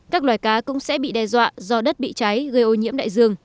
các loài cá cũng sẽ bị đe dọa do đất bị cháy gây ô nhiễm đại dương